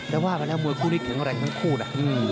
แต่ว่าไปแล้วมวยคู่นี้แข็งแรงทั้งคู่นะ